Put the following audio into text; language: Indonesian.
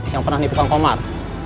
yang pernah nipu kang komar